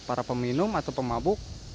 para peminum atau pemabuk